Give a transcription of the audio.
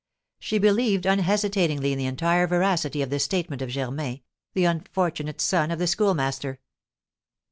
She believed unhesitatingly in the entire veracity of the statement of Germain, the unfortunate son of the Schoolmaster.